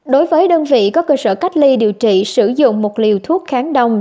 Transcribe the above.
đối với đơn vị có cơ sở cách ly điều trị sử dụng một liều thuốc kháng đông